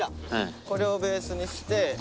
これをベースにして。